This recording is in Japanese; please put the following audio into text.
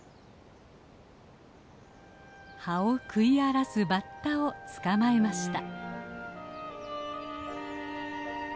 葉を食い荒らすバッタを捕まえました。